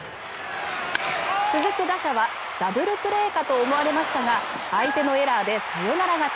続く打者はダブルプレーかと思われましたが相手のエラーでサヨナラ勝ち。